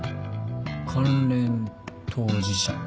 関連当事者？